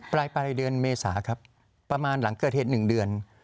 ปลายเดือนเมษาครับประมาณหลังเกิดเหตุ๑เดือน